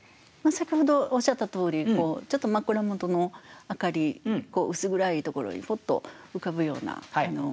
先ほどおっしゃったとおりちょっと枕元の明かり薄暗いところにポッと浮かぶようなそういう灯りだと思います。